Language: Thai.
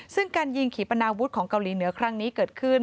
ซึ่งการยิงขี่ปนาวุฒิของเกาหลีเหนือครั้งนี้เกิดขึ้น